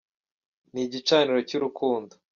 Ni igicaniro cy’urukundo